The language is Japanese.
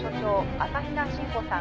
朝比奈信吾さん